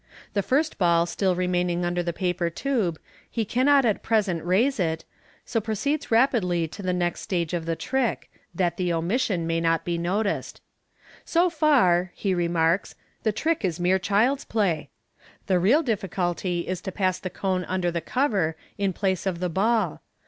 The first ball still remaining under the paper tube, he cannot ut present raise it, so proceeds rapidly to the next stage of the trick, that the omission may not be noticed. " So far," he remarks, " the trick is mere child's play. The real difficulty is to pass the cone under the cover in place of the ball.